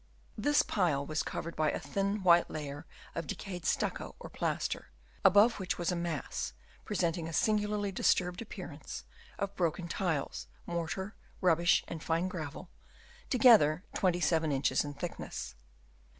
This pile was covered by a thin white layer of decayed stucco or plaster, above which was a mass, presenting a singu larly disturbed appearance, of broken tiles, mortar, rubbish and fine gravel, together 27 inches in thickness.